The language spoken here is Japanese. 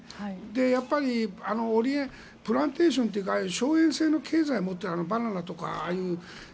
やっぱりプランテーションというか荘園制の経済を持っていてバナナとか。